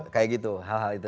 kayak gitu hal hal itu